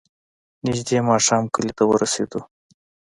نژدې ماښام کلي ته ورسېدو.